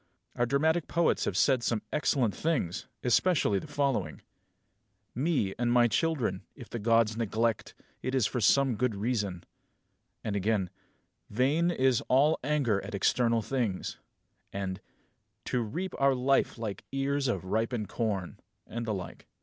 Our dramatic poets have said some excellent things; especially the following: Me and my children, if the Gods neglect, It is for some good reason and again, Vain is all anger at external things; and, To reap our life like ears of ripened corn and the like.